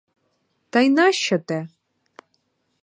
Та й нащо те?